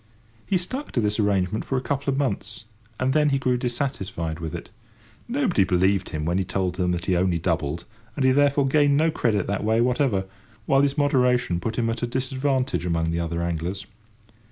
He stuck to this arrangement for a couple of months, and then he grew dissatisfied with it. Nobody believed him when he told them that he only doubled, and he, therefore, gained no credit that way whatever, while his moderation put him at a disadvantage among the other anglers.